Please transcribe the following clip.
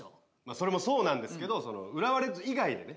それもそうなんですけど浦和レッズ以外でね。